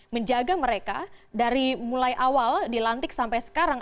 menjaga mereka dari mulai awal dilantik sampai sekarang